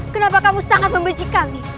kenapa kamu sangat membenci kami